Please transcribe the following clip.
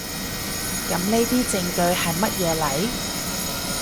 噉呢啲證據喺乜嘢嚟？